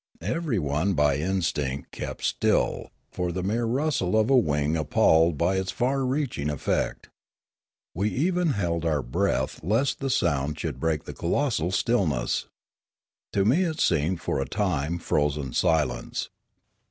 Everyone by instinct kept still; for the mere rustle of a wing appalled by its far reachiug effect. We even held our breath lest the sound should break the colossal stillness. To me it seemed for a time frozen silence.